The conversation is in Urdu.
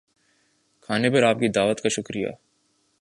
کھانے پر آپ کی دعوت کا شکریہ